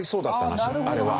話あれは。